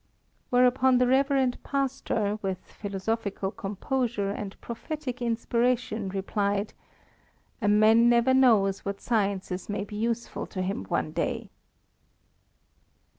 Whereupon the reverend pastor, with philosophical composure and prophetic inspiration, replied: "A man never knows what sciences may be useful to him one day."